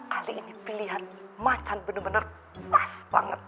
kali ini pilihan macan bener bener pas banget